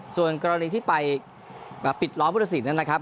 ส่วนกรณีที่ไปปิดล้อมผู้ตัดสินนั้นนะครับ